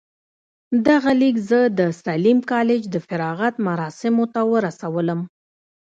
دغه ليک زه د ساليم کالج د فراغت مراسمو ته ورسولم.